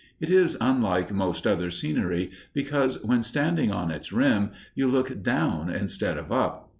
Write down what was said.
It is unlike most other scenery, because when standing on its rim you look down instead of up.